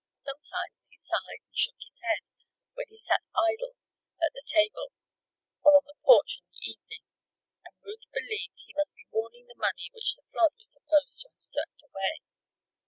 Sometimes he sighed and shook his head when he sat idle at the table, or on the porch in the evening; and Ruth believed he must be mourning the money which the flood was supposed to have swept away.